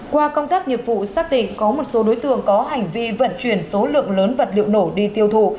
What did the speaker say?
qua công tác nghiệp vụ xác định có một số đối tượng có hành vi vận chuyển số lượng lớn vật liệu nổ đi tiêu thụ